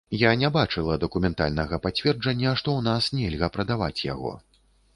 Я не бачыла дакументальнага пацверджання, што ў нас нельга прадаваць яго.